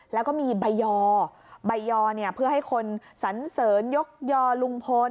แล้วก็มีใบยอใบยอเพื่อให้คนสันเสริญยกยอลุงพล